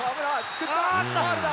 あーっと、ファウルだ。